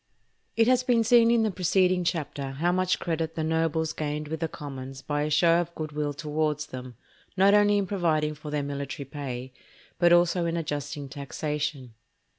It has been seen in the preceding chapter how much credit the nobles gained with the commons by a show of good will towards them, not only in providing for their military pay, but also in adjusting taxation.